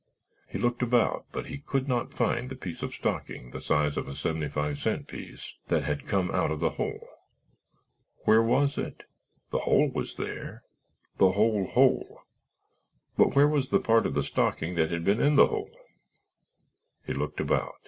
He looked about but could not find the piece of stocking the size of a seventy five cent piece that had come out of the hole. Where was it? The hole was there—the whole hole; but where was the part of the stocking that had been in the hole? He looked about."